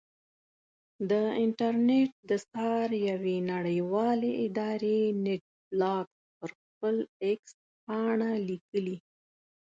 د انټرنېټ د څار یوې نړیوالې ادارې نېټ بلاکس پر خپل ایکس پاڼه لیکلي.